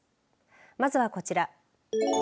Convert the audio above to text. まずはこちら。